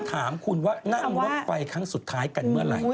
ถามคุณว่านั่งรถไฟครั้งสุดท้ายกันเมื่อไหร่